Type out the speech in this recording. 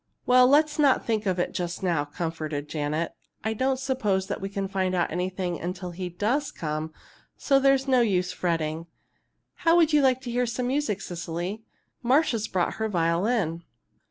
"Well, let's not think of it just now," comforted Janet. "I don't suppose we can find out anything till he does come, so there's no use fretting. How would you like to hear some music, Cecily? Marcia's brought her violin."